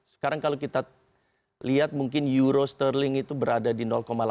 sekarang kalau kita lihat mungkin euro sterling itu berada di delapan